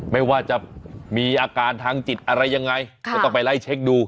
ไม่ว่าจะมีอาการทางจิตอะไรยังไงก็ต้องไปไล่เช็คดู